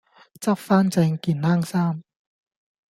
執番正件冷衫